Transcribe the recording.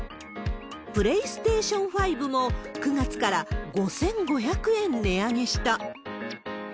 プレイステーション５も、９月から５５００円値上げした。